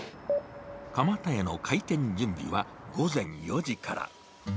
蒲田屋の開店準備は午前４時から。